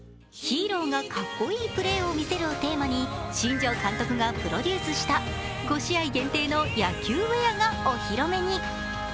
「ヒーローがかっこいいプレーを見せる」をテーマに新庄監督がプロデュースした、５試合限定の野球ウェアがお披露目に。